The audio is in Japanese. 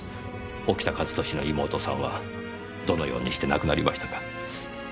沖田一俊の妹さんはどのようにして亡くなりましたか？